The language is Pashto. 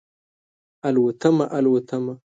الوتمه، الوتمه